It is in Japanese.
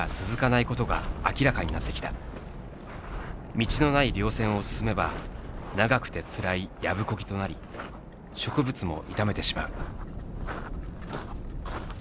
道のない稜線を進めば長くてつらいやぶこぎとなり植物も傷めてしまう。